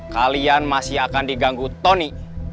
kalian masih akan diganggu tony